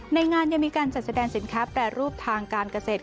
ในงานยังมีการจัดแสดงสินค้าแปรรูปทางการเกษตร